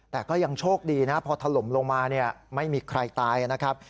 แต่ก็ยังโชคดีนะพอถล่มลงมาเนี่ยไม่มีใครตายนะครับ